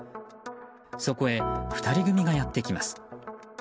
そこへ２人組がやってきます。